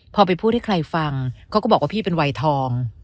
พอไปพูดให้ใครฟังเขาก็บอกว่าพี่เป็นวัยทอง